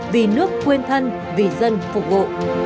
vì nước quên thân vì dân phục vụ